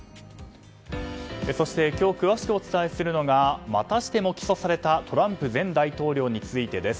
そして今日詳しくお伝えするのがまたしても起訴されたトランプ前大統領についてです。